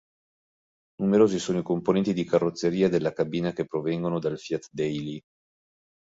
Numerosi sono i componenti di carrozzeria della cabina che provengono dal Fiat Daily.